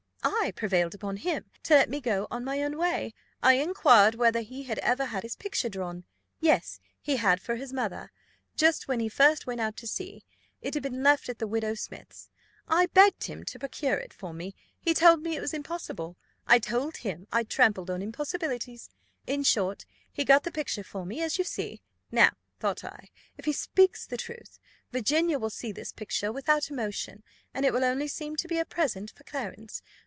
I prevailed upon him to let me go on my own way. I inquired whether he had ever had his picture drawn. Yes, he had for his mother, just when he first went out to sea. It had been left at the widow Smith's. I begged him to procure it for me. He told me it was impossible. I told him I trampled on impossibilities. In short, he got the picture for me, as you see. 'Now,' thought I, 'if he speaks the truth, Virginia will see this picture without emotion, and it will only seem to be a present for Clarence.